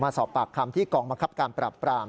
สอบปากคำที่กองบังคับการปราบปราม